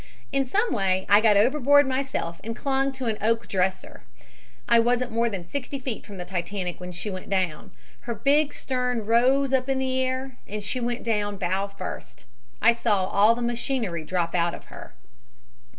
In some way I got overboard myself and clung to an oak dresser. I wasn't more than sixty feet from the Titanic when she went down. Her big stern rose up in the air and she went down bow first. I saw all the machinery drop out of her."